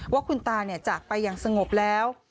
ว่าคุณตาจากไปอย่างสงบแล้ว